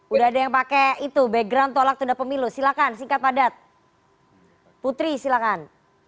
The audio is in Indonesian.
udah ada yang pakai itu background tolak tunda pemilu silakan singkat padat putri silakan